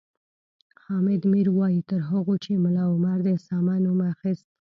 حامد میر وایي تر هغو چې ملا عمر د اسامه نوم اخیست